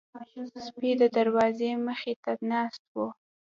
سپي د دروازې مخې ته ناست وو.